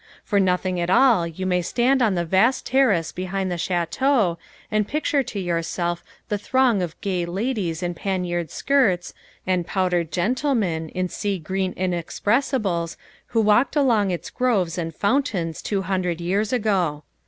For nothing at all you may stand on the vast terrace behind the Château and picture to yourself the throng of gay ladies in paniered skirts, and powdered gentlemen, in sea green inexpressibles, who walked among its groves and fountains two hundred years ago.